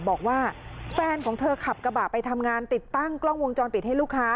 บอกว่าแฟนของเธอขับกระบะไปทำงานติดตั้งกล้องวงจรปิดให้ลูกค้า